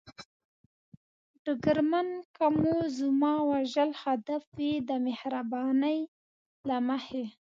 ډګرمن: که مو زما وژل هدف وي، د مهربانۍ له مخې.